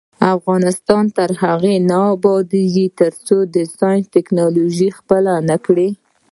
افغانستان تر هغو نه ابادیږي، ترڅو ساینس او ټیکنالوژي خپله نکړو.